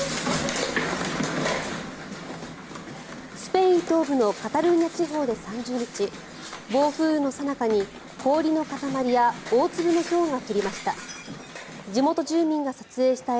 スペイン東部のカタルーニャ地方で３０日暴風雨のさなかに氷の塊や大粒のひょうが降りました。